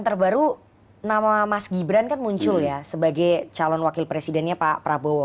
terbaru nama mas gibran kan muncul ya sebagai calon wakil presidennya pak prabowo